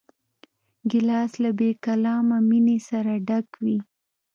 ګیلاس له بېکلامه مینې سره ډک وي.